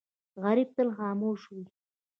غریب تل خاموش وي